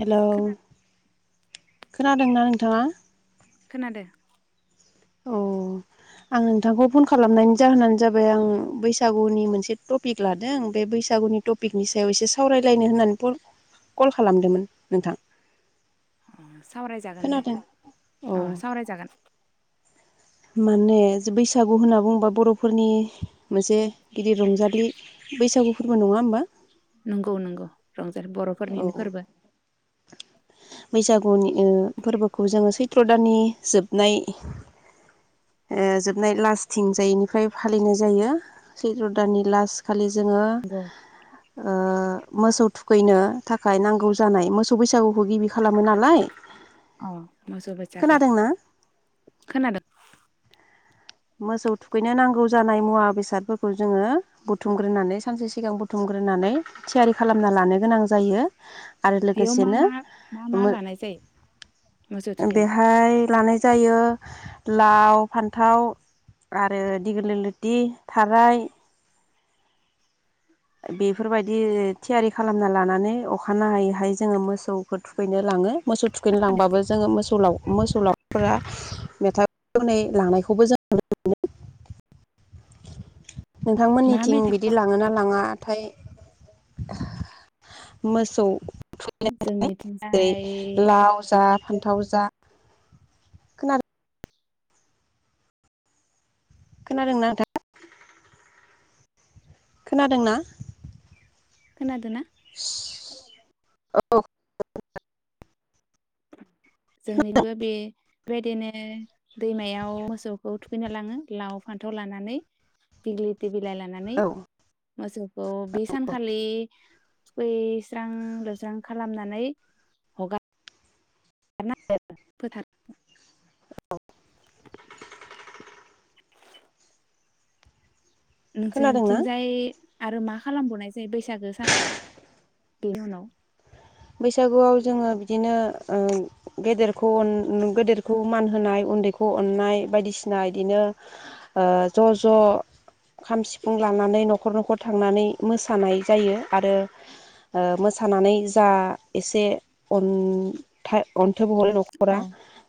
Hello. खोना खोनादोंना नोंथाङा? खोनादों। अ आं नोंथांखौ फन खालामनायनि जाहोनानो जाबाय आं बैसागुनि मोनसे टपिक लादों बे बैसागुनि टपिकनि सायाव एसे सावरायलायनो होननानै फन कल खालामदोंमोन नोंथां। अ सावरायजागोन दे खोनादों औ अ सावरायजागोन। माने बैसागु होनना बुंङोबा बर'फोरनि मोनसे गिदिर रंजालि बैसागु फोरबो नङा होमबा? नंगौ नंगौ। रंजाथ औ बर'फोरनिनो फोरबो। बैसागुनि फोरबोखौ जोङो सैत्र दाननि जोबनाय ओ जोबनाय लास्थिंजायनिफ्राय फालिनाय जायो सैत्र दाननि लास खालि। जोङो नंगौ ओ मोसौ थुखैनो थाखाय नांगौ जानाय मोसौ बैसागुखौ गिबि खालामो नालाय। औ मोसौ बैसागु खोनादोंना खोनादों। मोसौ थुखैनो नांगौ जानाय मुवा बेसादफोरखौ जोङो बुथुमग्रोनानै सानसे सिगां बुथुमग्रोनानै थियारि खालामना लानो गोनां जायो। आरो बेयाव मा लोगोसेनो मा मा मा मो लानाय जायो मोसौ थुखैनायाव बेहाय लानाय जायो लाव फान्थाव। आरो दिगल लोथि थाराय बेफोरबायदि थियारि खालामना लानानै अखानाय हैहाय जोङो मोसौफोर थुखैनो लाङो। मोसौ थुखैनोलांबाबो जोङो मोसौलाव मोसौलाव फोआ मेथाइ खनै लानायखौबो जों नुनो मोनो। मा नोंथांमोननिथिं मेथाइ बिदि लाङोना लाङा? नाथाय मोसौ थुनाय जोंनिथिंजाय जेरै लाव जा फान्थाव जा खोना खोनादोंना नोंथां? खोनादोंना? खोनादोंना? [inaudible] औ जोंनिबो बे बेबायदिनो दैमायाव मोसौखौ थुखैना लाङो लाव फान्थाव लानानै दिग्लि बिलाइ लानानै। औ माजो औ बे सानखालि खैस्रां लोबस्रां खालामनानै हगार [unintelligible] फोथार खोनादोंना? नोंसोरथिंजाय आरो मा खालामबावनाय जायो बैसागो सानाव बेनि उनाव? बैसागुआव जोङो बिदिनो ओ गेदेरखौ अन गेदेरखौ मान होनाय उन्दैखौ अननाय बायदिसिना बिदिनो ओ ज' ज' खाम सिफुं लानानै न'खर न'खर थांनानै मोसानाय जायो। आरो ओ मोसानानै जा एसे अन थाय अन थाय हरो न'खरा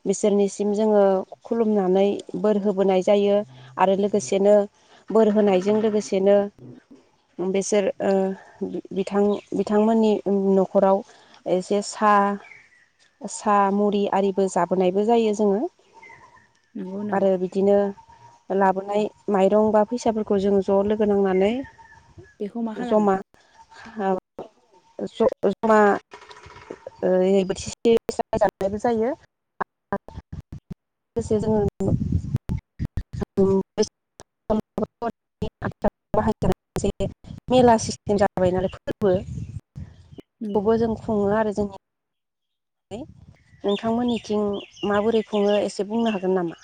बिसोरनि सिम जोङो खुलुमनानै बोर होबोनाय जायो आरो लोगोसेनो बोर होनायजों लोगोसेनो बेसोर ओ बिथां बिथांमोननि न खराव एसे सा सा मुरि आरिबो जाबोनायबो जायो जोङो। नंगौ नामा आरो बिदिनो लाबोनाय माइरं बा फैसाफोरखौ जों ज' लोगो नांनानै बेखौ मा खालामो? हाब ज जमा ओहै बोथिसे जनायबो जायो। [unintelligible] नंगौ खौबो जों खुङो आरो जों नि नोंथांमोननिथिं माबोरै खुङो एसे बुंनो हागोन नामा?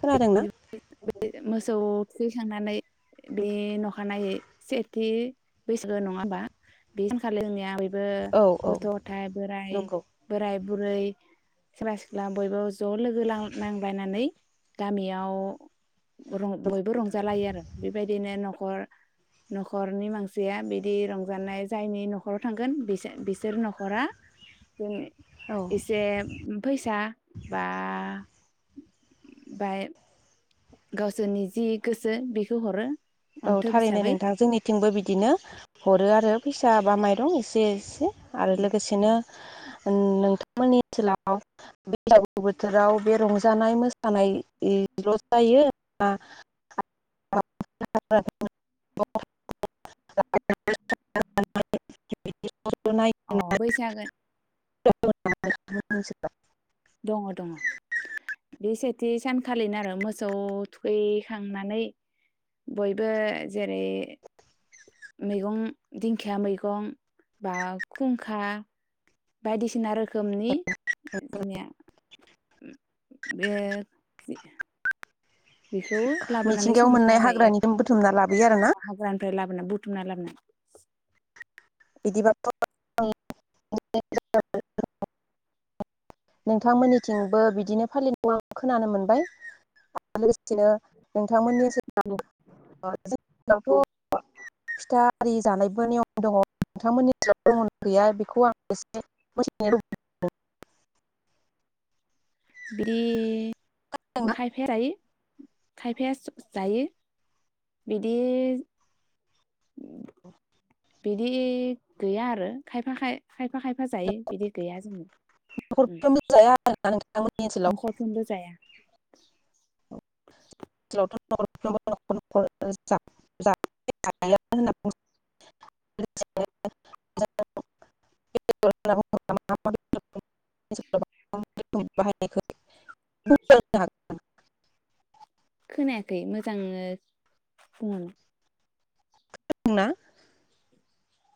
खोनादों ना मोसौ थुखैखांनानै बे अखानायनायै सेथि बैसागो नङा होमबा बेखालि जोंनिया बो औ औ गथ' गथाय बोराय नंगौ बोराय बुरै सेंग्रा सिख्ला बयबो ज' लोगो लां नांबायनानै गामियाव रं बयबो रंजालायो आरो बेबायदिनो न खर नखरनि मानसिया बिदि रंजानाय जायनि न'खराव थांगोन बिसो बिसोर न'खरा जों औ एसे फैसा बा बाय गावसोरनि जि गोसो बेखौ हरो। औ अन्थोब थारैनो हिसाबै नोंथां जोंनिथिंबो बिदिनो। हरो आरो फैसा बा माइरं एसे एसे। आरो लोगोसेनो ओन नोंथांमोननि ओनसोलाव बैसागु बोथोराव बे रंजानाय मोसानायल' जायो ना? [inaudible] [unintelligible] अ बैसागो [unintelligible] दङ' दङ' बे सेथि सानखालिनो आरो मोसौ थुखैखांनानै बयबो जेरै मैगं दिंखिया मैगं बा खुंखा बायदिसिना रो खोमनि जोंनिया उम बे [unintelligible] बेखौ लाबोनानै मिथिंगायाव संना मोननाय हाग्रानिखौ बुथुमना लाबो यो आरो ना। ओमफ्राय लाबोना बुथुमना लाबोनाय [unintelligible] बिदिब' नोंथांमोननिथिंबो बिदिनो फालिनायखौ खोनानो मोनबाय लोगोसेनो नोंथांमोननि [unintelligible] औ। [unintelligible] ओ जोंनावथ' फिथा आरि जानायबो नियम दङ नोंथांमोननियाव दं गैया बेखौ आं एसे मिथिनो लुबैदों। बि लुबैदों खायफाया रायो खायफाया स जायो बिदि बिदि गैया आरो खायफा खायफा खायफा खायफा जायो बिदि गैया जोंनाव ओं। न'खरफ्रोमबो जाया आरोना नोंथांमोननि ओनसोलाव नखरफ्रोमबो जाया। [inaudible] [unintelligible] [unintelligible] खोनायाखै मोजांङो बुं। खोनादोंना?